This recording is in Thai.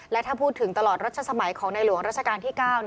และถ้าพูดถึงตลอดรัชสมัยของในหลวงราชการที่๙